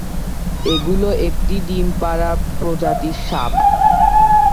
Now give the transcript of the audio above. এগুলো একটি ডিম পাড়া প্রজাতির সাপ।